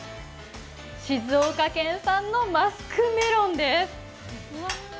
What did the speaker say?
静岡県産のマスクメロンです。